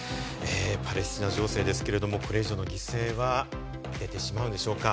パレスチナ情勢ですけれども、これ以上の犠牲は出てしまうんでしょうか。